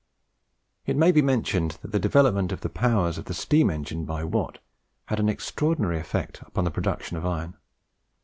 It may be mentioned that the development of the powers of the steam engine by Watt had an extraordinary effect upon the production of iron.